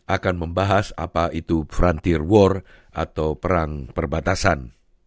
akan membahas apa itu franteer war atau perang perbatasan